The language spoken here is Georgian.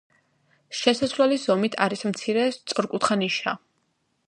შესასვლელის ზემოთ არის მცირე, სწორკუთხა ნიშა.